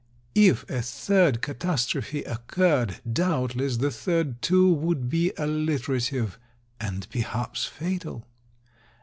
If a third catastro phe occurred, doubtless the third, too, would be alliterative — and perhaps fatal.